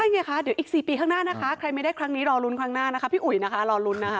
ไงคะเดี๋ยวอีก๔ปีข้างหน้านะคะใครไม่ได้ครั้งนี้รอลุ้นครั้งหน้านะคะพี่อุ๋ยนะคะรอลุ้นนะคะ